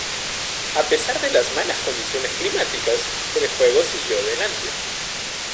A pesar de las malas condiciones climáticas, el juego siguió adelante.